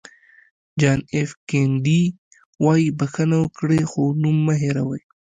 جان اېف کینېډي وایي بښنه وکړئ خو نوم مه هېروئ.